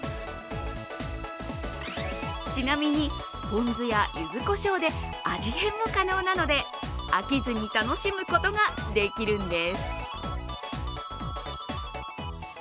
ちなみに、ポン酢やゆずこしょうで味変も可能なので、飽きずに楽しむことができるんです。